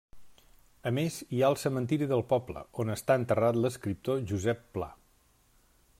A més, hi ha el cementiri del poble, on està enterrat l'escriptor Josep Pla.